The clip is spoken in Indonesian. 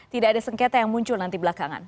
tidak ada sengketa yang muncul nanti belakangan